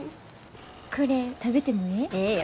これ食べてもええ？